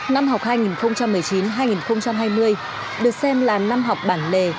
năm học hai nghìn một mươi chín hai nghìn hai mươi được xem là năm học bản lề